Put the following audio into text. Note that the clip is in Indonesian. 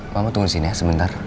mama tunggu sini ya sebentar